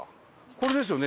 これですよね？